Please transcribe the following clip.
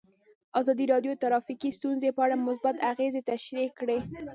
ازادي راډیو د ټرافیکي ستونزې په اړه مثبت اغېزې تشریح کړي.